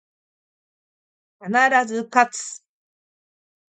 必ず、かつ